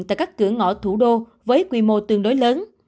tại các cửa ngõ thủ đô với quy mô tương đối lớn